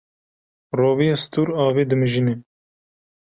Roviya stûr avê dimijîne.